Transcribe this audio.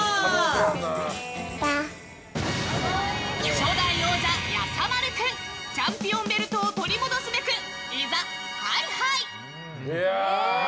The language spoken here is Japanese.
初代王者・やさまる君チャンピオンベルトを取り戻すべくいざ、ハイハイ！